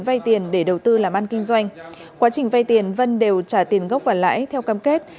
vay tiền để đầu tư làm ăn kinh doanh quá trình vay tiền vân đều trả tiền gốc và lãi theo cam kết